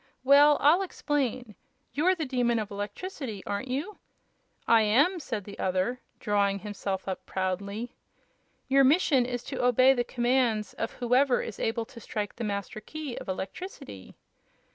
Well, I'll explain. You're the Demon of Electricity, aren't you?" "I am," said the other, drawing himself up proudly. "Your mission is to obey the commands of whoever is able to strike the Master Key of Electricity."